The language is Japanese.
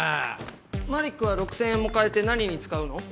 マリックは６０００円も換えて何に使うの？